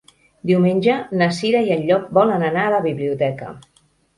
Diumenge na Cira i en Llop volen anar a la biblioteca.